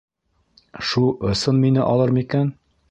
Шу ысын мине алыр микән?